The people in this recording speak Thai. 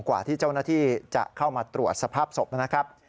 กว่าที่เจ้าหน้าที่จะเข้ามาตรวจสภาพศพนะครับ